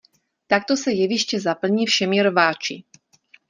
Takto se jeviště zaplní všemi rváči.